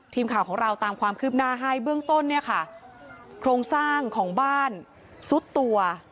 ทีมข่าวของเราตามความคืบหน้าให้เบื้องต้นเนี่ยค่ะโครงสร้างของบ้านซุดตัว